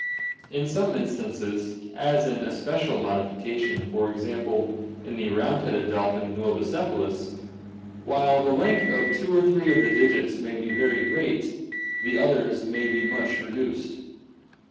In some instances, as an especial modification, for example, in the round beaded dolphin, Globicephalus (see Fig. ig,C), while the length of two or three of the digits may be very great, the others may be much reduced.